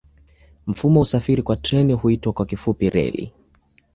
Mfumo wa usafiri kwa treni huitwa kwa kifupi reli.